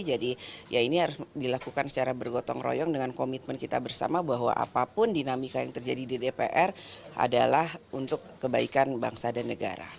jadi ya ini harus dilakukan secara bergotong royong dengan komitmen kita bersama bahwa apapun dinamika yang terjadi di dpr adalah untuk kebaikan bangsa dan negara